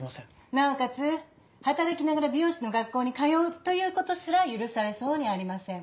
なおかつ働きながら美容師の学校に通うということすら許されそうにありません。